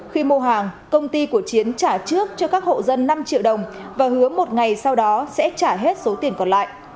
khi mua hàng công ty của chiến trả trước cho các hộ dân năm triệu đồng và hứa một ngày sau đó sẽ trả hết số tiền còn lại